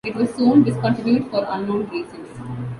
It was soon discontinued for unknown reasons.